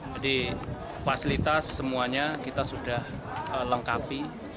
jadi fasilitas semuanya kita sudah lengkapi